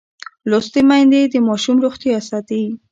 لوستې میندې د ماشوم روغتیا ساتي.